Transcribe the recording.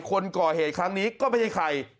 คนก่อเหตุครั้งนี้ก็ไม่ใช่ใคร